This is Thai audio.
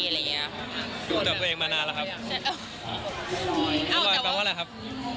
ดูแลตัวเองมานานแล้วครับ